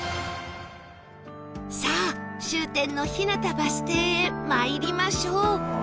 さあ終点の日向バス停へ参りましょう